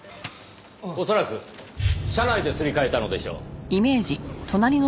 恐らく車内ですり替えたのでしょう。